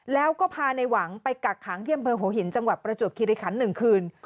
แล้วก็พาในหวังไปกักขังที่อำเภอหัวหินจังหวัดประจวบคิริคัน๑คืน